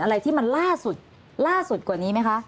อะไรที่มันล่าสุดกว่านี้ไหมคะ